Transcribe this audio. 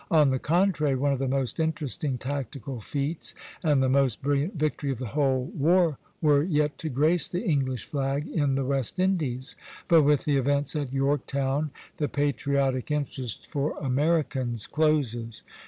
On the contrary, one of the most interesting tactical feats and the most brilliant victory of the whole war were yet to grace the English flag in the West Indies; but with the events at Yorktown the patriotic interest for Americans closes.